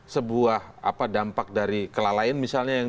sebuah dampak dari kelalaian misalnya yang